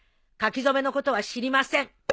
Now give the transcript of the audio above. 書き初めのことは知りません。